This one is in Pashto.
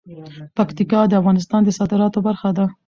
پکتیکا د افغانستان د صادراتو برخه ده.